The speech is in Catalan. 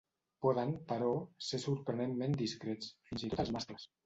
Poden, però, ser sorprenentment discrets, fins i tot els mascles.